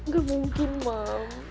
gak mungkin ma'am